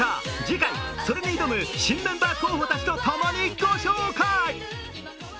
次回、それに挑む新メンバー候補たちと共にご紹介。